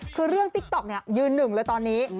คือเรื่องติ๊กต๊อกเนี่ยยืนหนึ่งเลยตอนนี้